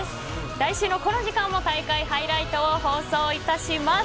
来週のこの時間も大会ハイライトを放送いたします。